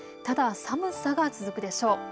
ただ寒さが続くでしょう。